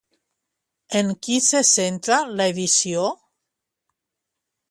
En qui se centra l'edició?